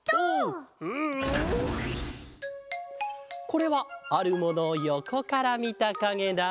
これはあるものをよこからみたかげだ。